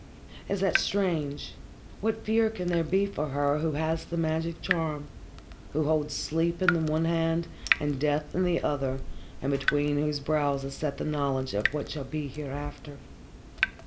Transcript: Is that strange? What fear can there be for her who has the magic charm, who holds sleep in the one hand and death in the other, and between whose brows is set the knowledge of what shall be hereafter?